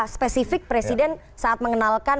spesifik presiden saat mengenalkan